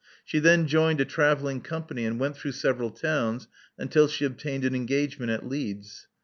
She then joined a travelling com pany and went through several towns until she obtained an engagement at Leeds.